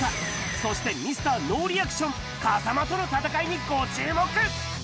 そしてＭｒノーリアクション、風間との戦いにご注目。